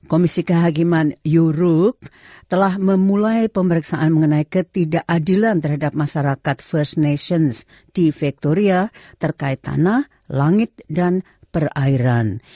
komisi kehakiman eurook telah memulai pemeriksaan mengenai ketidakadilan terhadap masyarakat first nations di victoria terkait tanah langit dan perairan